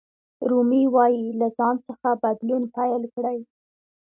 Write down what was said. رومي وایي له ځان څخه بدلون پیل کړئ.